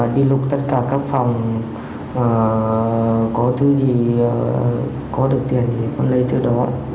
đi lúc tất cả các phòng có thứ gì có được tiền thì tôi lấy thứ đó